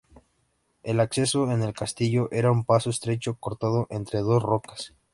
El acceso en el castillo era un paso estrecho cortado entre dos rocas.